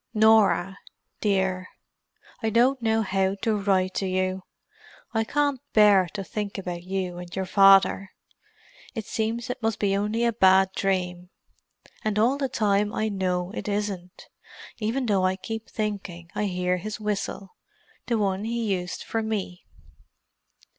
"Norah, Dear,— "I don't know how to write to you. I can't bear to think about you and your father. It seems it must be only a bad dream—and all the time I know it isn't, even though I keep thinking I hear his whistle—the one he used for me.